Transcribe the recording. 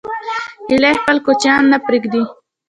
هیلۍ خپل کوچنیان نه پرېږدي